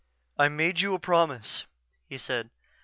"I made you no promise," he said.